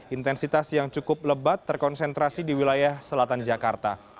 intensitas yang cukup lebat terkonsentrasi di wilayah selatan jakarta